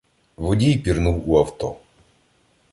Водій пірнув у авто.